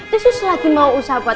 terus selagi mau usaha buat